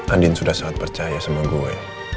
andin sudah sangat percaya sama gue